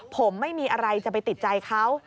ผมไม่มีอะไรจะไปติดใจเขา